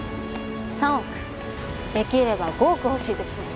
３億できれば５億は欲しいですね。